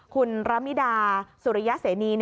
คุณระมิดาสุริยเสนี